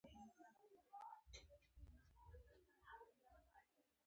له حرامه ځان وساته، روح به دې ارام وي.